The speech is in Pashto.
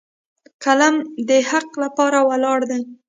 قلم د حق لپاره ولاړ دی